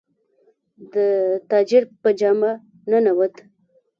د تاجر په جامه ننووت.